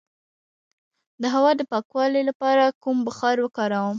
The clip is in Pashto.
د هوا د پاکوالي لپاره کوم بخار وکاروم؟